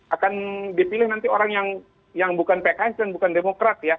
akan dipilih nanti orang yang bukan pks dan bukan demokrat ya